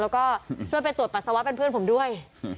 แล้วก็ช่วยไปตรวจปัสสาวะเป็นเพื่อนผมด้วย